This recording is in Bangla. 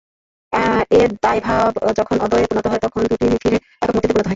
এ দ্বয়ভাব যখন অদ্বয়ে পরিণত হয় তখন দুটি মিলে একক মূর্তিতে পরিণত হয়।